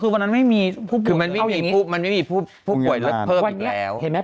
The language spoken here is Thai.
คือวันนั้นไม่มีคือมันไม่มีผู้ป่วยรถเพิ่มอีกแล้วเห็นไหม